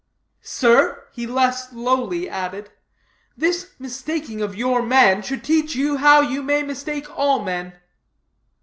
Sir," he less lowly added, "this mistaking of your man should teach you how you may mistake all men.